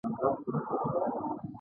آیا زموږ میلمه پالنه به دوام ولري؟